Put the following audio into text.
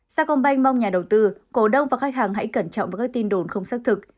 sa công banh mong nhà đầu tư cổ đông và khách hàng hãy cẩn trọng với các tin đồn không xác thực